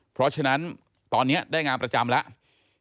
เพราะฉะนั้นตอนนี้ได้งานประจำแล้ว